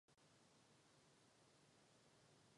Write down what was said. Evropská unie je vytvořena na zásadě solidarity.